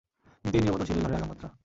কিন্তু এ নীরবতা ছিল ঝড়ের আগাম বার্তা।